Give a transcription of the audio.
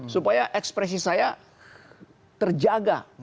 supaya ekspresi saya terjaga